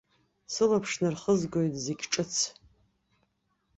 Сылаԥш нархызгоит зегь ҿыц.